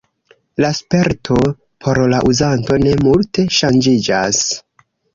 La sperto por la uzanto ne multe ŝanĝiĝas.